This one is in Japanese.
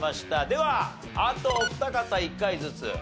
ではあとお二方１回ずつ。